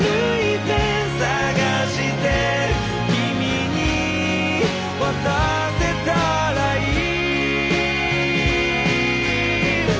「君に渡せたらいい」